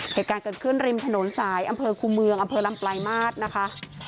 เหตุการณ์เกิดขึ้นริมถนนสายอำเภอคูเมืองอำเภอลำปลายมาตรนะคะ